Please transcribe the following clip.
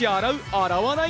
洗わない？